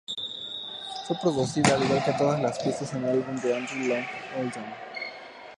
Fue producida, al igual que todas las pistas del álbum por Andrew Loog Oldham.